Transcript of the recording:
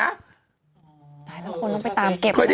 คนต้องไปตามเก็บ